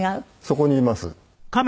そこにいますか？